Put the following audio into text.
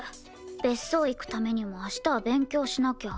別荘行くためにも明日は勉強しなきゃ。